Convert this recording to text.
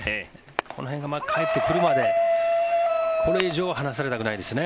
この辺が帰ってくるまでこれ以上は離されたくないですね。